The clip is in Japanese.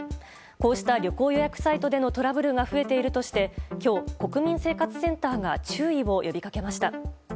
こうした旅行予約サイトでのトラブルが増えているとして今日、国民生活センターが注意を呼びかけました。